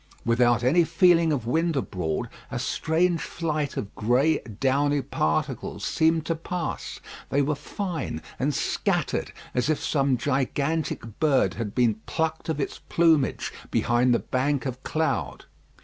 Without any feeling of wind abroad, a strange flight of grey downy particles seemed to pass; they were fine and scattered as if some gigantic bird had been plucked of its plumage behind the bank of cloud.